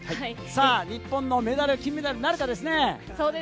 日本のメダル、金メダルなるかですね。